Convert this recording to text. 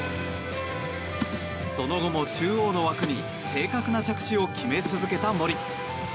その後も中央の枠に正確な着地を決め続けた森。